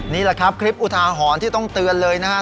นี่แหละครับคลิปอุทาหรณ์ที่ต้องเตือนเลยนะครับ